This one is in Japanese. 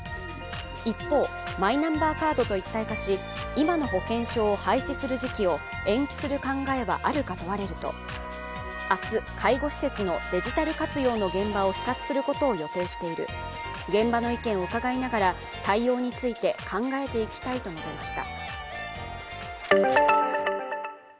一方、マイナンバーカードと一体化し、今の保険証を廃止する時期を延期する考えはあるか問われると、明日、介護施設のデジタル活用の現場を視察することを予定している、現場の意見を伺いながら対応について考えていきたいと述べました。